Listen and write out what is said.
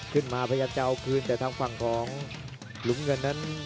พยายามจะเอาคืนแต่ทางฝั่งของหลุมเงินนั้น